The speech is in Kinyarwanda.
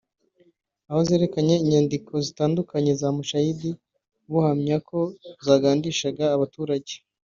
aho bwerekanye inyandiko zitandukanye za Mushayidi buhamya ko zagandishaga abaturage